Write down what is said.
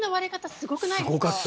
すごくないですか？